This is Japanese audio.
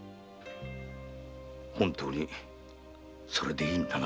本当にそれでいいんだな？